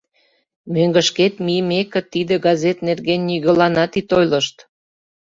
— Мӧҥгышкет мийымеке, тиде газет нерген нигӧланат ит ойлышт.